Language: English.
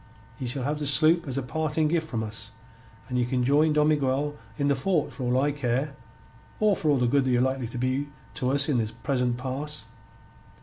Ye shall have the sloop as a parting gift from us, and ye can join Don Miguel in the fort for all I care, or for all the good ye're likely to be to us in this present pass."